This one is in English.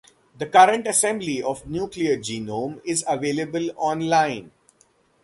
The current assembly of the nuclear genome is available online.